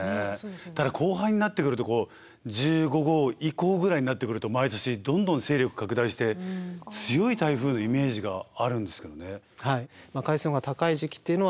ただ後半になってくると１５号以降ぐらいになってくると毎年どんどん勢力拡大して強い台風のイメージがあるんですよね。